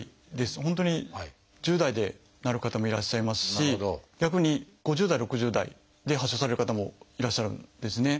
本当に１０代でなる方もいらっしゃいますし逆に５０代６０代で発症される方もいらっしゃるんですね。